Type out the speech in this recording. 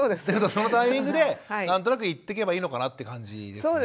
そのタイミングで何となく言っていけばいいのかなという感じですね。